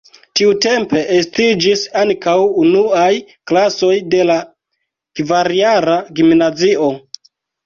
Tiutempe estiĝis ankaŭ unuaj klasoj de la kvarjara gimnazio.